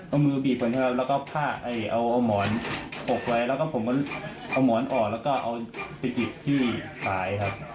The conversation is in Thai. เอามือบีบก่อนนะครับแล้วก็ผ้าเอาหมอนหกไว้แล้วก็ผมก็เอาหมอนออกแล้วก็เอาไปจิบที่สายครับ